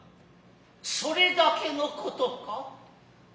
それだけの事か。